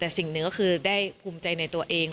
แต่สิ่งหนึ่งก็คือได้ภูมิใจในตัวเอง